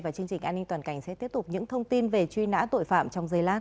và chương trình an ninh toàn cảnh sẽ tiếp tục những thông tin về truy nã tội phạm trong giây lát